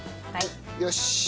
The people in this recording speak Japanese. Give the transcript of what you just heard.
よし。